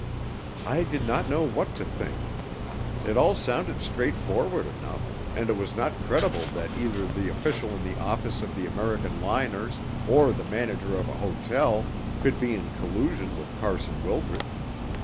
I did not know what to think. It all sounded straightforward enough, and it was not credible that either the official in the office of the American liners, or the manager of an hotel, could be in collusion with Carson Wildred.